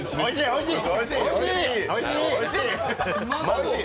おいしい！